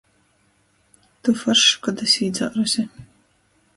Tu foršs, kod es īdzāruse